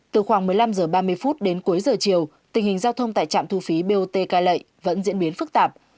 từ khoảng một mươi năm h ba mươi đến cuối giờ chiều tình hình giao thông tại trạm thu phí bot cai lệ vẫn diễn biến phức tạp